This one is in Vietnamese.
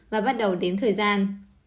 và bắt đầu đếm thời gian